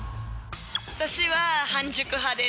私は半熟派です。